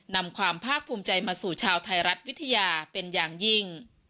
นำความภาคภูมิใจมาสู่ชาวไทยรัฐวิทยาเป็นอย่างยิ่ง